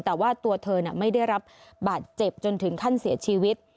แต่ว่าตัวเธอไม่ได้รับบาดเจ็บจนถึงขั้นเสียชีวิต